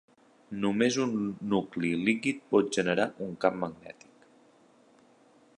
Només un nucli líquid pot generar un camp magnètic.